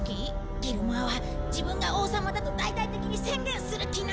ギルモアは自分が王様だと大々的に宣言する気なんだ。